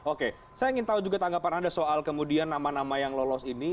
oke saya ingin tahu juga tanggapan anda soal kemudian nama nama yang lolos ini